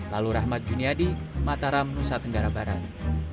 lalu rahmat juniadi mataram nusa tenggara barat